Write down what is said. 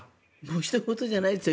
ひと事じゃないですよ。